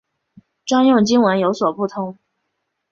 专用经文有所不同。